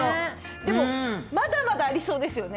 でもまだまだありそうですよね。